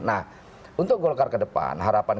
nah untuk golkar ke depan harapan